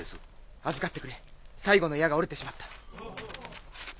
預かってくれ最後の矢が折れてしまった。